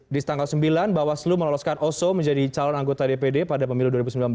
di tanggal sembilan bawaslu meloloskan oso menjadi calon anggota dpd pada pemilu dua ribu sembilan belas